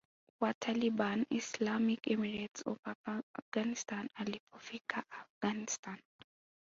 wa Taliban Islamic Emirate of Afghanistan Alipofika Afghanistan